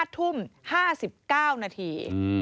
๕ทุ่ม๕๙นาที